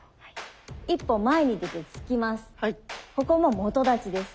一歩前に出て突きます。